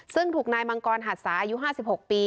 ซึ่งถูกนายมังกรหัดสาอายุ๕๖ปี